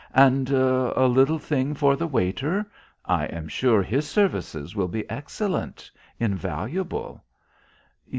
"And a little thing for the waiter? I am sure his services will be excellent, invaluable."